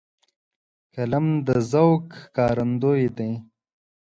قلم د ذوق ښکارندوی دی